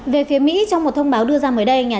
về phía mỹ trong một thông báo đưa ra mới đây